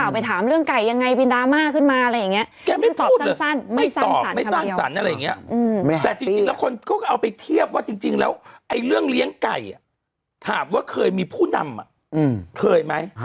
พออะไรขึ้นมาแพงเราก็ปลูกออก